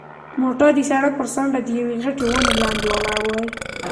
موټر د سړک پر څنډه د یوې غټې ونې لاندې ولاړ دی.